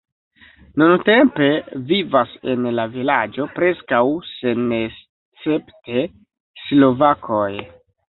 Nuntempe vivas en la vilaĝo preskaŭ senescepte slovakoj.